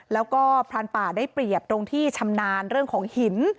แล้วก็พรานป่าได้เปรียบตรงที่ชำนาญเรื่องของหิน